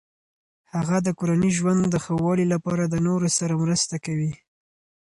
هغه د کورني ژوند د ښه والي لپاره د نورو سره مرسته کوي.